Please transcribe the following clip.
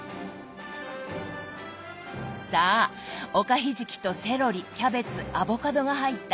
さあおかひじきとセロリキャベツアボカドが入った肉なし餃子。